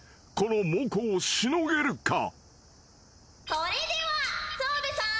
それでは澤部さん。